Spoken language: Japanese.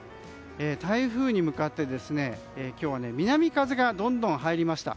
台風に向かって今日は南風がどんどん入りました。